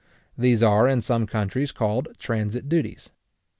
These are in some countries called transit duties.